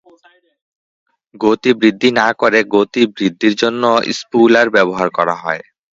গতি বৃদ্ধি না করে গতি বৃদ্ধির জন্য স্পুলার ব্যবহার করা হয়।